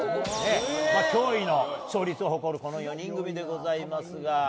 驚異の勝率を誇るこの４人でございますが。